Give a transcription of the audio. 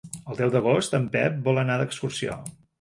El deu d'agost en Pep vol anar d'excursió.